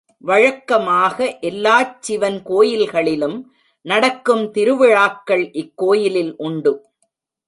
வழக்கமாக எல்லாச் சிவன் கோயில்களிலும் நடக்கும் திருவிழாக்கள் இக்கோயிலில் உண்டு.